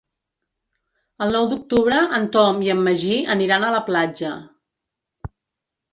El nou d'octubre en Tom i en Magí aniran a la platja.